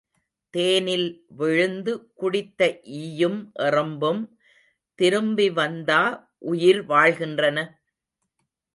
தேனில் விழுந்து குடித்த ஈயும் எறும்பும் திரும்பிவந்தா உயிர் வாழ்கின்றன?